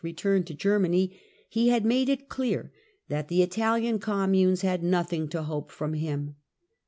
returned to Germany, he had made it clear that the Italian communes had nothing to hope from him.